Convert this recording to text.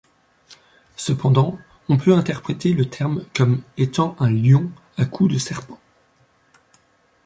Cependant, on peut interpréter le terme comme étant un lion à cou de serpent.